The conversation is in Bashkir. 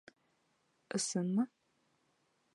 Ысынмы?!